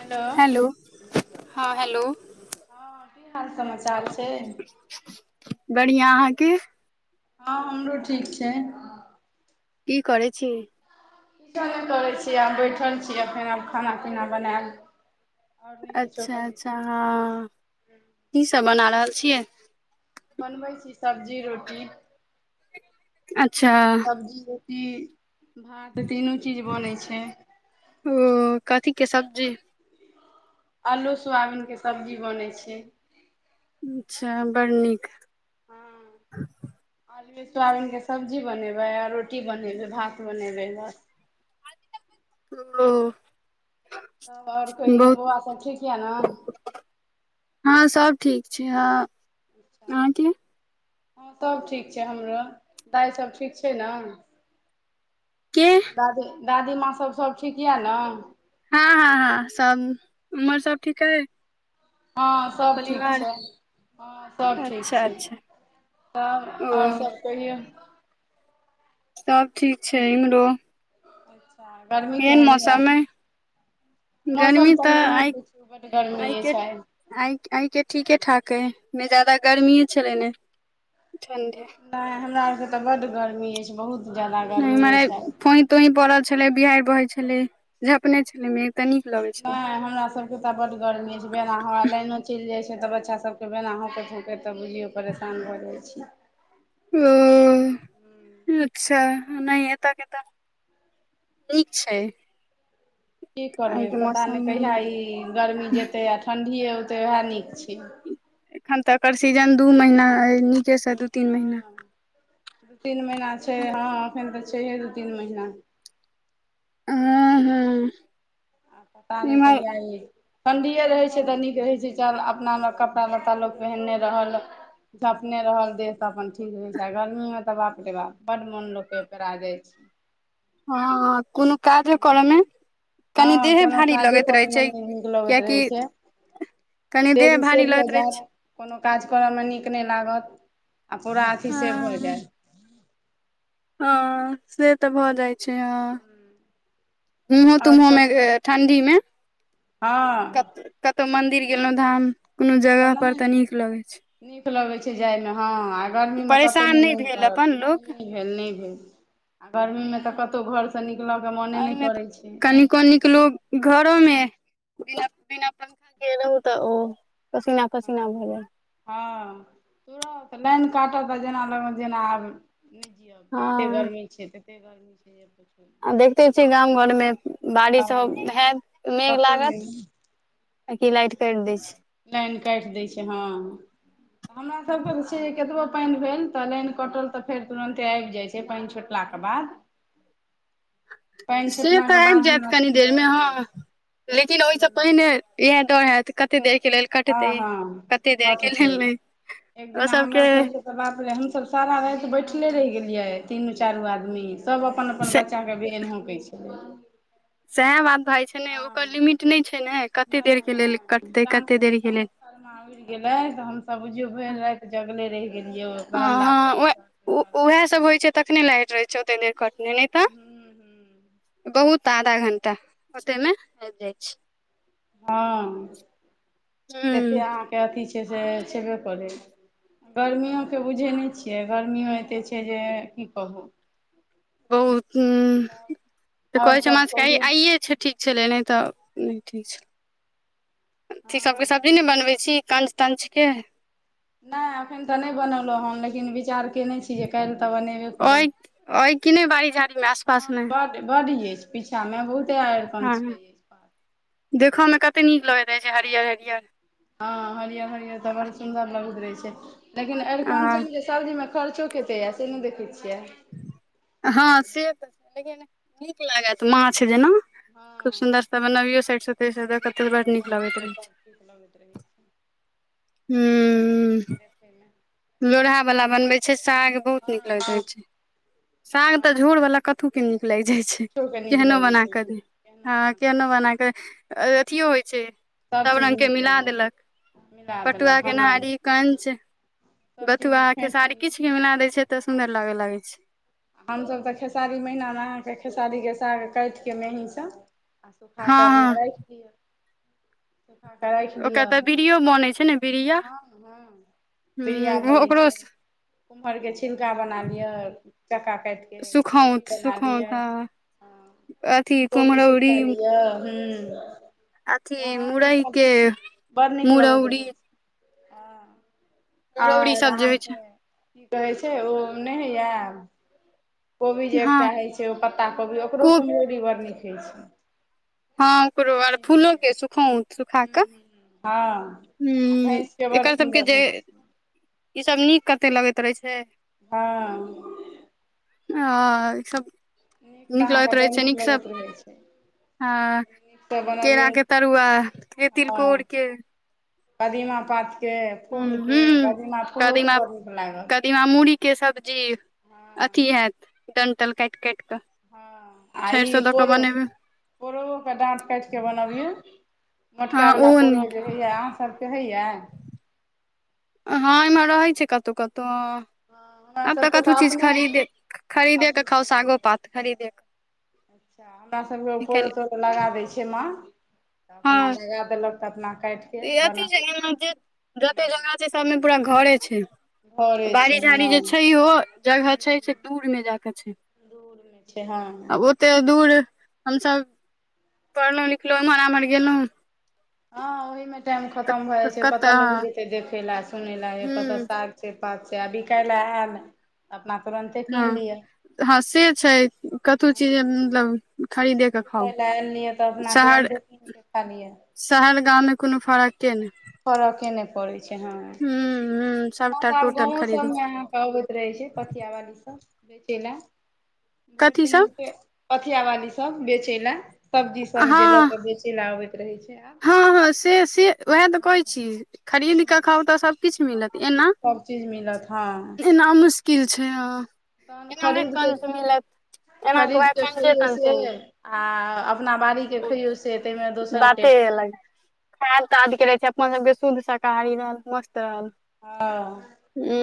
Hello हँ हँ की हाल समाचार छै बढ़ििया अहाँके हँ हमरो ठीक छै की करय छी किछो नहि करै छियै आब बैठल छीियै फेर आब खाना पीना बनायब आओर नहि किछो अच्छा करै अच्छा छी हँ की सब बना रहल छियै बनबै छी सब्जी रोटी अच्छा सब्जी रोटी भात तीनू चीज बनै छै ओ कथीके सब्जी आलू सोयाबिनके सब्जी बनै छै अच्छा बड़ नीक [unintelligible] आलूके सोाबिनके सब्जी बनेबै आ रोटी बनेबै भात बनेबै ल ओ तऽ आओर कहहि बहुत बौआ सब ठीक यऽ ने हँ सब ठीक छै हँ अच्छा अहाँके हँ तब ठीक छै हमरो दाइ सब ठीक छै नऽ के दादी दादीमाँ सब सब ठीक यऽ नऽ हँ हँ हँ सब उमर सब ठीके हइ हँ सब ठीक छै हँ सब ठीक अच्छा छै अच्छा तब आओर ओ सभ कहियौ सब ठीक छै इम्हरो अच्छा गर्मी केहन यऽ मौसम अइ मौसम गर्मी तऽ नहिए पूछू बड गर्मीे यऽ आय आ आऐ के ठीके ठाक हइ ने ज्यादा गर्मीए छलै ने ठं्डे नेय हमरा आर के त बड गर्मी अछि बहुत ज्यादा गर्मी नहिरे अछि आइ फोई तोई पड़ल छले बिहार बहे छले झपने छले मे ते नीक लग नहि हमरा सब बड गर्मी बेना हवा लाइनो चलि जाय छै त बच्चा सब बेना हकैत हौंकैत त बुझलियौ परेशान भ जाइ छी ओ अच्छा नौ एता कत नीक छै की करबै आइ के पता मौसम नहि कहिया ई गर्मी जेतै आ ठण्डीए औतै उएह नीक छै एखन तऽ एकर सीजन दू महीना अइ नीके सँ दू तीन महीना हँ दू तीन महिीना छै हँ एखन तऽ छैहे दू तीन महीना सेे हँ छै हँ आब पता नय इम्हर कहिया ठणडीए रहै छै तऽ नीक रहै छै चल अपनाना मे कपड़ा लत्ता लोग पहिनने रहल झपने रहल देह तऽ अपन ठीक रहय छै गर्मी मे तऽ बाप रे बाप बड मोन लोक पेरा जाइ छै हँ कोनो काजे कर मे कनि हँ देहे कोनो भारी काजो लगैत रहै करय मे छै नय नीक लगैत कियाकि रहै छै कनि देह देरी से भारी हो लगैत रहै जा छै [unintelligible] कोनो काज कर मे नीक नय लागत आ पूरा अथी से भ जाय ह से त भ जाय छै हा [unintelligible] आओर तुमहो मे सब ठण्डी मे क हँ कतहु मंदिर गेलहुँ धाम कोनो तऽ जगह पर त नहि नीक लगे छै नीक लगैत छै जायमे हँ आ गर्मीमे कतहु परेशान नय नहि मोन भेल अपन करत लोक नय भेल नय भेल आ गर्मीमे त कतहु घरसँ निकलय के मोने नय करा छै कनिक लोग घरो मे बिना बिना पंखा के रहहु त ओ पसीना पसीना भऽ जाए हँ तुरत लाइन काटत आ जेना लग जेना आब नय जियब तते हँ गर्मी छै तते गर्मी छै जे पुछ आ देखते छीयै गाम घरमे बारिश हँ हयत मेघ कतहु नहि लागत आ लाइट कटि दै छै लाइन काटि दै छै हँ हमरा सब के त छै कतबो पान भेल त लाइन कटल त फेर तुरंते आबि जाय छै से पानि छुटला के बाद पानि से त छुटलाके आबि बाद जायत हमरा कनी देर सबके के आबि जाइ बाद छै लेकिन ओहि सँ पहिने इहा दौड़ हयत कते देर के लेल हँ कटतै हँ कते देर कट के लेल ने ओ सबके सब बाप रे हमस सारा राति बैठले रहि गेलिये तीनू चारू आदमी सब अपन अपन से बच्चा के बैन होके छलई सएह बात भए जाइ छै ने ओकर लिमिट नय छै ने कते नहि देरके लेल नहि कटतै टांस कते देरके लेल न [unintelligible] उड़ि गेले त हमसब बुझियो भर राति जगले रहि गेलियो ह ह उहा सब होय छै तखने लाट रहे छै ओते देर कटने नय त हूँ हूँ बहुत आधा घंटा ओते मे आबि जाइ छै हँ ततेक ह अहाँके अथी छै से छेबे करै गर्मियओे के बुझै नय छियै गर्मियो एतेक छै जे की कहू बहुत हु आओर कहै छै सभ हमरा सब के कहियौ आइे छै ठीक छलै नय त नय ठीक छल अथी सभके हँ सब्जी नय बनबै छी कञच तञ्च के नय एखन त नय बनेल हुँन लेकिन विचार केने छी जे काल्हि त बनेबै हि कि नय बाड़ी झाड़ी मे आसपास मे बड़ यैछ पीछा में बहुते अरकंच रहै देखमे‌ कतऽ नीक लगै छै हरियर हरियर हँ हरियर हरियर तऽ बड़ सुन्दर लगैत रहे छै लेकिन आ अरिकञ्चनके सब्जीमे खर्चो कतेक यए से नहि देखै छियै हँ से तऽ छै लेकिन नीक लागत माछ जेना खूब हँ सुंन्दरसँ बनबीयो खूब साइडे नीकसँ बड नीक लगैत बनबियौ रहै छै तब नीक लगैत रहै छै देखैमे [inaudible] लोरहा वालला बनबे छै साग बहुत नीक हँ लगैत हँ रहय छै साग तऽ हँ झोर बालला कत के नीक लाइग जाइ छै किछोके नीक केहनो लगै बना छै कऽ दे केहनो ह बना कऽ केहनो खा बना लिअ क अ अथियो होइ छै सब सभचीज रंग के नीक मिला लगै देलक छै मिला पटुआ देलक हँ गेनहारी कंच सभचीज बथुआ के फेँट साड़ी दियौ किछु भी मिला दैय छै तऽ सुन्दर लाग लागै छै हमसभ तऽ खेसारी महिनामे अहाँके खेसारीके साग काइट कऽ मेहींसँ आ सुखा के हँ हँ अहिना राइख दियौ [unintelligible] [inaudible] ओकर तऽ बीड़ियो बनै छै ने बीड़िया हँ हँ ह ओ ओकरो कुमहरके छिलका बना लिअ चक्का काईटके कुम्हरौरी सुखौंत बना लिअ सुखौंत हँ अथी कोभी कुम्हरौरी सुखा लिअ हुॅं अथी मुड़ै के मुरौड़ी ह मुरौरी आओर सब जे होइ छै अहाँके की कहै छै ओ नै हौयऽ कोबी जे हँ एकटा होय छै ओ पत्ता कोबी ओकरो खूब कुम्हरौरी बड़ नीक होय छै हँ ओकरो आर भैंसके फूलोके सुखौत सुखा कऽ हँ हँ आ हूँ भैंसके बड़ एकर सबके सुन्दर जे भैंस ई सब नीक कते लगैत रहै छै हँ ह ईसभ तऽ नीक अहाँके लगैत बड़ रहै छै नीक नीकसँ लगैत रहै छै हँ नीकसँ बनबियौ केराक के तरुआ के तिलकोर हँ के कदीमा पातके हूँ फूलके कदीमा फूलोके बड़ नीक लागल दीमाामुढ़ीे सब्जी अथी हेएत डन्टल कैट कैट कऽ हँ आ सरिसो ई दऽ कऽ पोरो बनेबै पोरोहु के डाँट कैट क बनबियौ मोटका हँ वाला ओहो नीक पोरो जे होइए अहाँसभके होइए हँ एमे रहै छै कतौ कतौ हमरा आब तऽ सभके कतहु चीज अपने खरीदे अपने खरीदेके खाउ सागो पात खरीदेके अच्छा हमरा सभके पोरो तोरो लगा दै छै माँ तऽ अपना हँ लगा देलक तऽ अपना काइट के अथी छै बनाउ जे जते जगह छै सबमे पूरा घरे छै घरे बाड़ी छै झाड़ी हँ जे हूँ छै ओ जगह छै हूँ से दूर मे जााक छै [inaudible] छै हँ आब ओते दूर हमसभ पढ़लहुं लिखलहु एम्हर आम्हर गेलौ हँ ओहि मे टाइम खतम भए जाइ तऽ छै कतय कतऽ लोग जेते देखे ला सुनय ला या कतय ह साग पात छै आ बीकाइल ल एल अपना तुरन्ते हँ कीन लिय हँ से छै कतहु चीज मतलब खरीदेके लए एलियै तऽ अपना तुरन्ते कीन क खा लियै शहर गाममे कोनो फरके नै फरके नै पड़ै छै हँ ह एना सबटा तऽ आब टोटल गाँवो खरीदे सबमे अबैत रहै छै पथिया वाली सब बेचै ला भरि कथी दिन सब मे से पथिया वाली सब बेचै ला सब्जी सब जे ल हँ के बेचै ला आबैत रहै छै आ हँ हँ से से उएह तऽ कहैत छी खरीद हँ क खाउ तऽ सबकिछ मिलत एना सब चीज मिलत हँ एना मुश्किल छै हं तहन खरीदके एना के वएह खरीदके कंचे खइयौ तंचे से मिलत आ अपना बाड़ी के खइयो से ताहिमे दोसर बाते टेस्ट यै अलग [unintelligible] छै अपन बे शुद्ध शाकाहारी रहल मस्त रहल हँ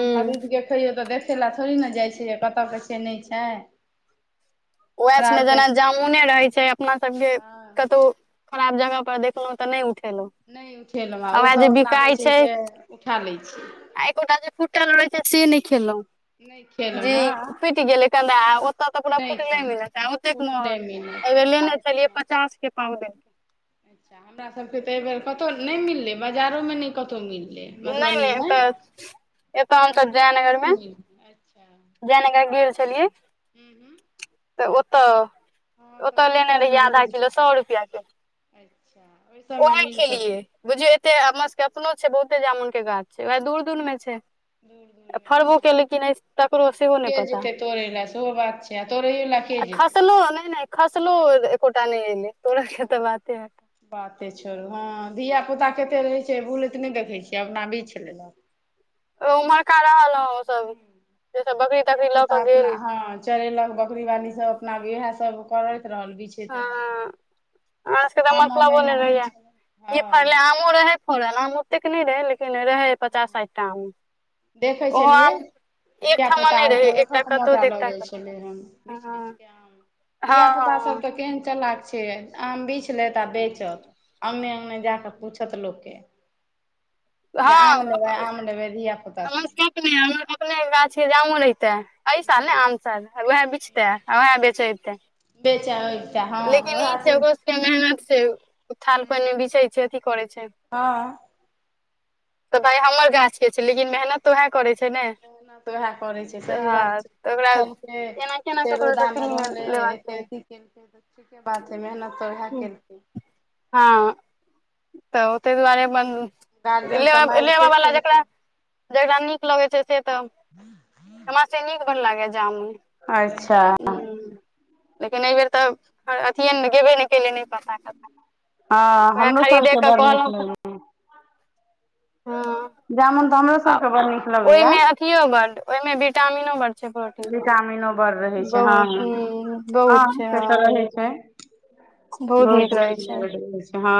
आ खरिद के खैयौ तऽ देखै लए थोड़ी न जाइ छै कत के छै नै छै उएह हमरा छै ने आरके जेना जामुने रहै छै अपना सबके हँ कतु खराब जगह पर देखलौं तऽ नै उठेलौं नै उठेलौं ओसब अपना बेचैके उठा लै छै आ एकोटा जे फुटल रहै छै से नै खेलौं नहि खेलहुँ जी हेँ फुटि गेलै कंदा आ ओतऽ तऽ पूरा नहि फुटलै खायब मिलत ओतेक फुटले महग मिलत आ लेने छलियै पचास के पाव दे अच्छा हमरा सबके तऽ एहि बेेर कतहु नै मिललै बाजारोमे नै कतहु मिललै नै नै मधुबनीमे एतऽ एत हमसब जय मधुबनीमे नगर नहि मे मिललै अच्छा जयनगर गेल छलियै हूँ हूँ तऽ ओ तऽ हँ तऽ ओतऽ ओहि लेने रहियै सबमे आधा मिल किलो सकै सए रुपआ के अच्छा ओहि सबमे उहे मिल सकै खेलियै बुझियौ एते हमर सबके अपनो छै बहुते जामुनक के गाछ छै वएह दूर दूर मे छै दूर दूरमे छै फड़बो हँ केलै किनै से ककरो सेहो तऽ नै के पता जेतै तोड़ै लए सेहो बात छै आ तोड़ैयो लए के आ जेतै खसलो नै नै खसलो एकोटा नै एलै तोर के तऽ बाते हटा बाते छोड़ू हँ धियापुता कते रहै छै बूलैत नै देखै छियै अपना बिछि लेलक उम्हरका रहलौ ओसब जे सब बकरी धिया तकरी लऽ पुता क अपना गेल हँ चरेलक बकरीवाली सब अपना इएह सब करैत रहल बिछ बिछैत हँ रहल हमरा सबके अपन तऽ आमअ महिना नै छाय हँ ओ रहै फोरल आम ओतेक नै रहै लेकिन रहै पचास साठि टा आम देखै ओहो छलियै आम धिय एकठाम पुता नहि रहै एकहक एकटा क कतौ मोटा तऽ ल एकटा जाइ कतौ छलै हन बीच हँ बीचके आम धिय पुता सब हँ तऽ केहन चलाक छै आम बिछ लेत आ बेचत अंगने अंगने जा कऽ पूछत लोकके जे आम लेबै आम लेबै धिय पुता सब कने हमर अपने गाछ जामो रतै [unintelligible] ऐसाल नै आम साल वएह बेचता वएह बेच ऐबता बेच ऐबता हँ ओह चीज कते मेहनत से थाल पान मे बिछै छै अथी करै छै हँ तऽ भाय हमर गाछके छै लेकिन मेहनत तऽ उएह करैत छै ने मेहनत तऽ वएह करै छै सही बात हँ छै तऽ ओकरा बिछलकै एना केना एते ककरोसँ रौदामे फ्रीमे रहलै ए लेबाक चाही केलकै तऽ ठीके बात छै मेहनत तऽ वएह केल हँ तऽ ओ तहि दुआरे बन्द गार्जियन सब मारि लेबा से बला जकरा खेलकै जेकरा नीक लगै छै से तऽ हमरा त नीक बर लागेयै जामुन अच्छा ह लेकिन एहि बेेर तऽ अथिए ने गेबै ने केले नहि पसा ख हँ हमरो सबके खरीदेके बड़ नीक कहलहुँ तऽ लगैया हँ जामुन तऽ हमरो सबके बड़ नीक लगैया अियो बातओहिमे विटामिनो बड छै प्रोटीनक पाईनो बड़ रहै छै हँ बहुत हँ छै से तऽ रहै छै बहुत नीक रहै छै बत हँ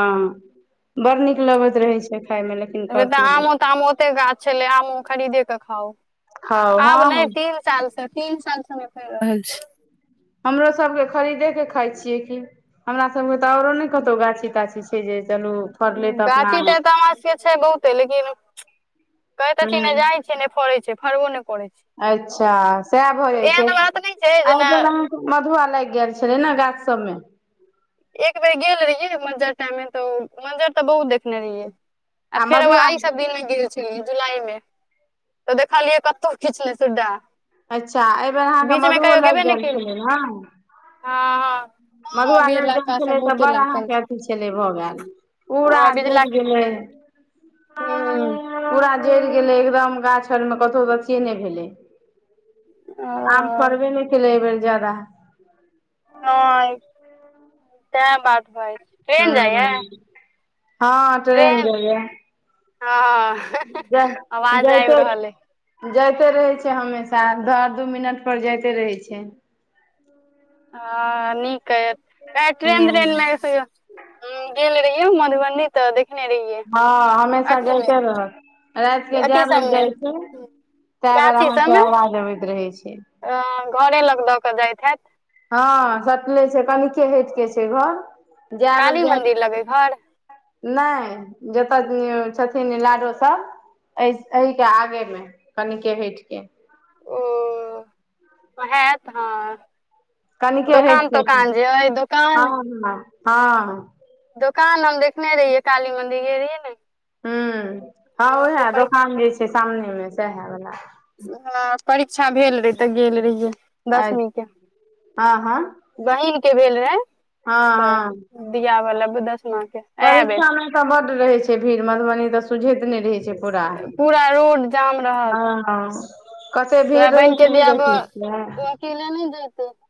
बड़ नीक लगैत रहै छै खाायमे लेकिन तऽ करती आमो ताम ओते गाछ छलै आमो हँ हँ [unintelligible] तेरहसालस तीन साल से तीन साल से हममे फड़ रहल छी हमरो सब के खरीदे के खााय छीिये की हमरा सब के ते औरो ने कतहु गाछी ताछीछै से जे तलू [unintelligible] [unintelligible] गाछी ते ए तऽ हमरा सबके छै बहुते लेकिन कहैतेनय छी ने जाय छी फड़े छै फारबो नहि प छै अच्छा सएह भऽ जाइ एहन छै बात नहि छै जेना आ मधुआ लागि गेल छलै ने गाछ सब मे एक बेर गेल रहिये मंजर टाइम मे। मंजर मं्जर तऽ बहुत देखने रहिये आ फेर आइ सब दिन ग जुलाई मे तऽ देखलियै कतहु खीचले सुडाह अच्छा एहि बेेर अहाँकेँ मधुब लागि ने गेल केलियै छलै ने हँ ह [unintelligible] मधुआ लाग जाइ छलै तऽ बड़ अहाँ के छै अथी छले भऽ गेल पूरा हँ बीज ज लक्का गेल आ हूँ [inaudible] पूरा जरि गेलै एकदम गाछ आर मे कतहुऽ अथियए नहि भेलै ओ आम फड़बे नहि कलै अबैर जादाा हँ ते बात भए छै ह हँ ट्रेन जइया ह [unintelligible] जय जय छैठ [unintelligible] जाइते रहै छै हमेशा घरदु मिनट पर जाइते रहै छै ह [inaudible] हँ नीक ह ट्रेन तट्रेन ल हूँ [unintelligible] ह गेललि रैहियहि मधबनीी तऽ देखने रहिियै हँ हमेशा जाइते रहलियै रात के जाय अथी बेर सबमे जाइ छै तए बेर अहाँके आवाज अबैत रहै छै अ घरे लग दऽ क जाइत हैत हँ कनिके हट क छै घर जाय बेर काली जायत मंदिर लग अइ घर नहि जतय छथिन लाडोसभ एहि एहि के आगे मे कनिके हट के हयत हँ दोकान तोकान जेइ दोकान ह [unintelligible] हँ दोकान लगं देखने रहियै काली मंदिर गेल रहियै ने [unintelligible] हँ हमर उएह सबके दोकान जे छै सामने मे सेहा बला हाऽ परीक्षा भेल रहे तऽ गेल रहियै दसमीं के आँ हँ बहिन के भेल रहै हँ [unintelligible] तऽ दियाबऽ हँ लेबै दसमा के इएह बेर परीक्षामे तऽ बड्ड रहै छै भीड़ मधुबनी तऽ सुझैत नय रहै छै पूरा पूरा रोड जाम रहत हँ [unintelligible] कते तऽ भीड़ वएह रहै बहिन छै के नय दियाब देखने छियै ओ अकेले नहि जैतै तऽ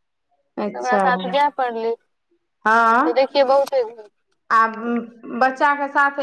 ओकरा अच्छा हँ [unintelligible] आब बच्चा के साथ